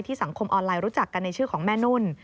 สังคมออนไลน์รู้จักกันในชื่อของแม่นุ่น